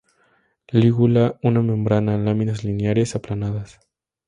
Lígula una membrana; láminas lineares, aplanadas.